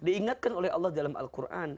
diingatkan oleh allah dalam al quran